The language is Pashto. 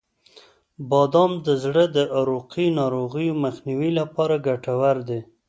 • بادام د زړه د عروقی ناروغیو مخنیوي لپاره ګټور دي.